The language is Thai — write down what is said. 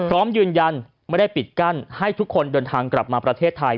และยืนยั้นอย่าปิดกั้นว่าทุกคนก็มาที่ประเทศไทย